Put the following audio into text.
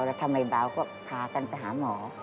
แล้วทำไมเบาก็พากันไปหาหมอ